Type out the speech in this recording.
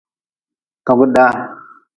Togdaa.